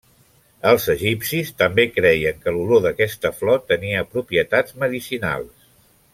Els egipcis també creien que l'olor d'aquesta flor tenia propietats medicinals.